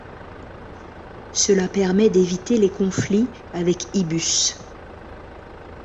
Cela permet d'éviter les conflits avec iBus.